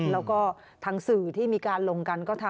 ๒๐๐๐๐บาทแล้วก็ค่ารักษา